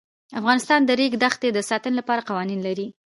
افغانستان د د ریګ دښتې د ساتنې لپاره قوانین لري.